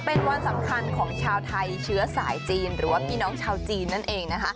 เป็นวันสำคัญของชาวไทยเชื้อสายจีนหรือว่าพี่น้องชาวจีนนั่นเองนะคะ